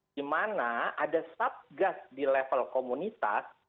di mana ada satgas di level komunitas